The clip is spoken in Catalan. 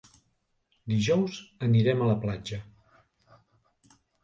Dijous anirem a la platja.